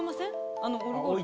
あのオルゴール。